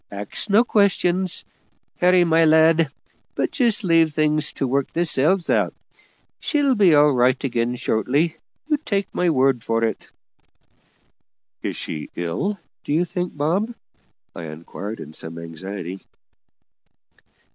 Axe no questions, Harry, my lad, but just leave things to work theirselves out; she'll be all right again shortly, you take my word for it." "Is she ill, do you think, Bob?" I inquired in some anxiety.